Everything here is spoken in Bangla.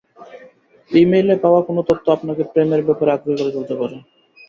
ই-মেইলে পাওয়া কোনো তথ্য আপনাকে প্রেমের ব্যাপারে আগ্রহী করে তুলতে পারে।